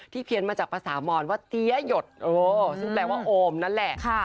เพี้ยนมาจากภาษามอนว่าเตี้ยหยดซึ่งแปลว่าโอมนั่นแหละ